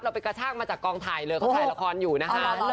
ไปกระชากมาจากกองถ่ายเลยเขาถ่ายละครอยู่นะคะ